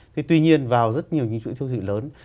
thì tuy nhiên vào rất nhiều những chuỗi thương thị lớn